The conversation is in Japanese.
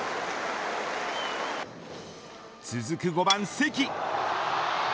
続く５番、関。